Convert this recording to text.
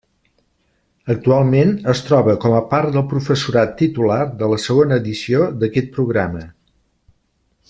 Actualment es troba com a part del professorat titular de la segona edició d'aquest programa.